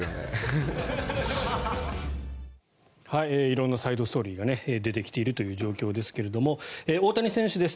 色んなサイドストーリーが出てきているという状況ですが大谷選手です。